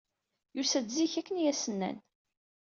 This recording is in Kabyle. Yusa-d zik, akken ay as-nenna.